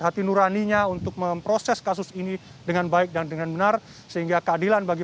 hati nuraninya untuk memproses kasus ini dengan baik dan dengan benar sehingga keadilan bagi